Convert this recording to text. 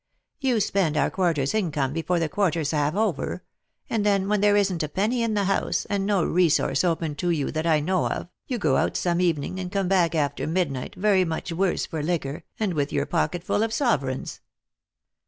Tou spend our quarter's income before the quarter's half over; and then, when there isn't a penny in the house, and no resource open to you that I know of, you go out some evening, and come back after midnight very much the worse for liquor, and with your pocket fall of sovereigns."